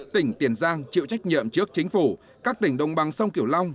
tỉnh tiền giang chịu trách nhiệm trước chính phủ các tỉnh đồng bằng sông kiểu long